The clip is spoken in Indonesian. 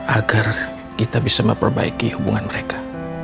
agar kita bisa memperbaiki hubungan mereka